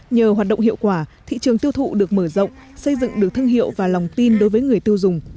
nhờ hoạt động hiệu quả thị trường tiêu thụ được mở rộng xây dựng được thương hiệu và lòng tin đối với người tiêu dùng